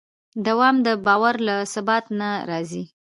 دوام د باور له ثبات نه راځي.